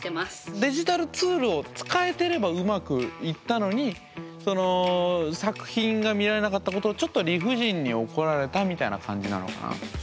デジタルツールを使えてればうまくいったのに作品が見られなかったことをちょっと理不尽に怒られたみたいな感じなのかな？